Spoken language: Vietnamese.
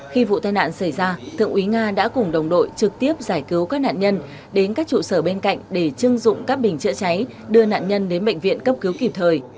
khi vụ tai nạn xảy ra thượng úy nga đã cùng đồng đội trực tiếp giải cứu các nạn nhân đến các trụ sở bên cạnh để chưng dụng các bình chữa cháy đưa nạn nhân đến bệnh viện cấp cứu kịp thời